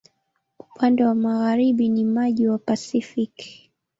Upande wa magharibi ni maji wa Pasifiki.